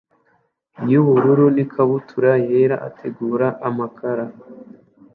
yubururu nikabutura yera ategura amakara